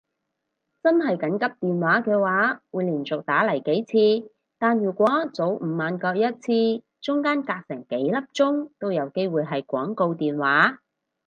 真係緊急電話嘅話會連續打嚟幾次，但如果早午晚各一次中間隔成幾粒鐘都有機會係廣告電話